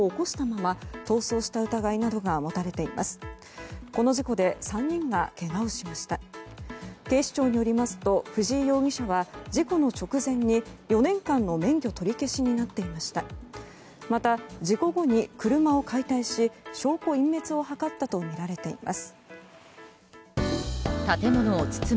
また、事故後に車を解体し証拠隠滅を図ったとみられています。